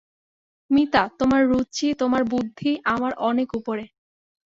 মিতা, তোমার রুচি তোমার বুদ্ধি আমার অনেক উপরে।